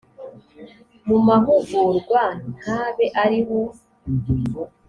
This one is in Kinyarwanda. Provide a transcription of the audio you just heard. mu mahugurwa ntabe ariho